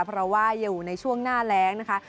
เพราะว่าอยู่ในช่วงหน้าแรงนะคะ